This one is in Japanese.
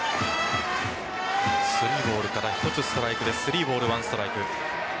３ボールから１つストライクで３ボール１ストライク。